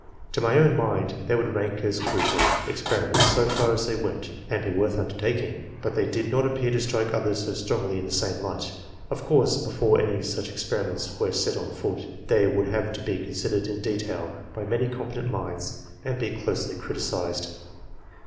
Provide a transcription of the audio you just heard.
To my own mind they would rank as crucial experiments so far as they went, and be worth undertaking, but they did not appear to strike others so strongly in the same light. Of course before any such experiments were set on foot, they would have to be con sidered in detail by many competent minds, and be closely criticised.